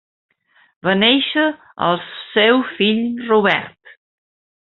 Va néixer el seu fill Robert.